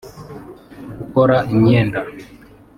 gukora imyenda